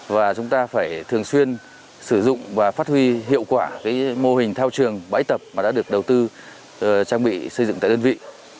và chúng ta phải thường xuyên sử dụng và phát huy hiệu quả mô hình thao trường bãi tập mà đã được đầu tư trang bị xây dựng tại đơn vị